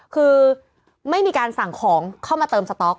คือไม่มีการสั่งของเข้ามาเติมสต๊อก